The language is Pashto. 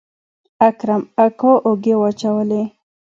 اکرم اکا اوږې واچولې.